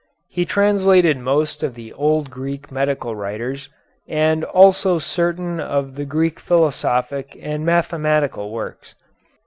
He translated most of the old Greek medical writers, and also certain of the Greek philosophic and mathematical works.